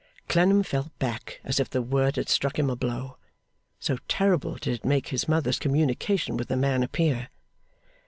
Clennam fell back as if the word had struck him a blow: so terrible did it make his mother's communication with the man appear.